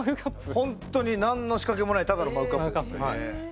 本当に何の仕掛けもないただのマグカップです。